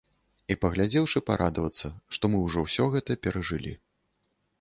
І, паглядзеўшы, парадавацца, што мы ўжо ўсё гэта перажылі.